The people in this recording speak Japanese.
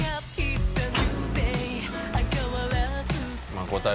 まあ答え